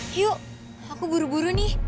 yuk aku buru buru nih